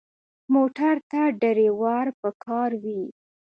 موټر ته ډرېور پکار وي.